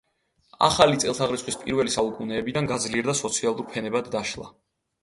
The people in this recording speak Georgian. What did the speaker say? ახალი წელთაღრიცხვის პირველი საუკუნეებიდან გაძლიერდა სოციალურ ფენებად დაშლა.